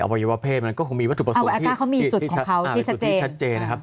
อวัยวะเพศมันก็มีวัตถุประสงค์ที่ชัดเจน